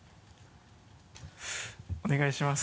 お願いします。